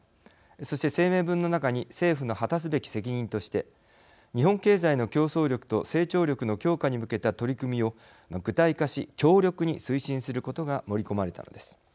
そして、声明文の中に政府の果たすべき責任として日本経済の競争力と成長力の強化に向けた取り組みを具体化し、強力に推進することが盛り込まれたのです。